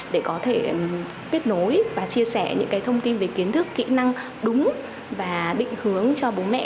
để có thể kết nối và chia sẻ những thông tin về kiến thức kỹ năng đúng và định hướng cho bố mẹ